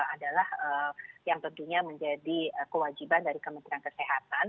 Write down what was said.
adalah yang tentunya menjadi kewajiban dari kementerian kesehatan